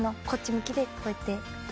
こっち向きでこうやって。